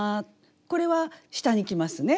これは下に来ますね。